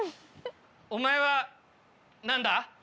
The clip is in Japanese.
お前は何だ？